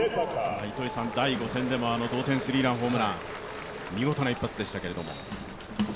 第５戦でも同点スリーラン、見事な一発でしたけれども。